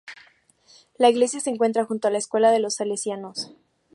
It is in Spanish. La iglesia se encuentra junto a la escuela de los salesianos.